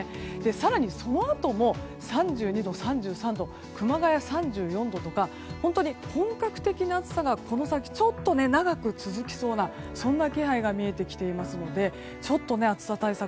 更にそのあとも３２度、３３度熊谷３４度とか本当に本格的な暑さがこの先長く続きそうなそんな気配が見えてきていますのでちょっと暑さ対策